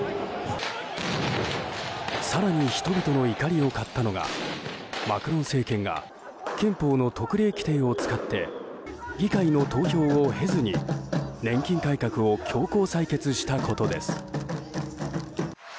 更に人々の怒りを買ったのがマクロン政権が憲法の特例規定を使って議会の投票を経ずに年金改革を強行採決したことです。